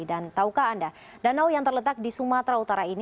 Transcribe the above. dan tahukah anda danau yang terletak di sumatera utara ini